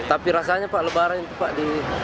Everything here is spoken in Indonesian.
tapi rasanya pak lebaran itu pak